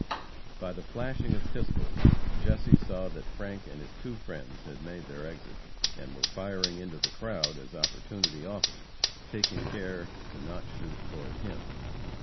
By the flashing of pistols, Jesse saw that Frank and his two friends had made their exit, and were firing into the crowd as opportunity offered, taking care to not shoot toward him.